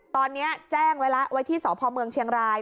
ตอนนี้แจ้งไว้ละไว้ที่สพเชียงราย